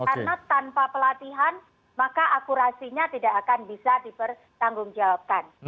karena tanpa pelatihan maka akurasinya tidak akan bisa dipertanggungjawabkan